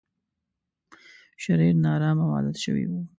شرير، نا ارامه او عادت شوی و.